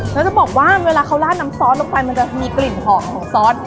แล้วจะบอกว่าเวลาเขาลาดน้ำซอสลงไปมันจะมีกลิ่นหอมของซอส